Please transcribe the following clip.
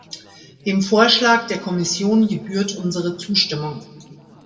Dem Vorschlag der Kommission gebührt unsere Zustimmung.